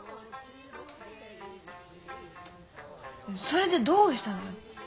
それでどうしたのよ。